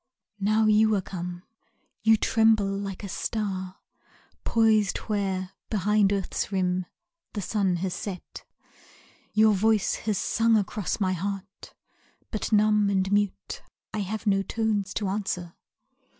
Now you are come! You tremble like a star Poised where, behind earth's rim, the sun has set. Your voice has sung across my heart, but numb And mute, I have no tones to answer.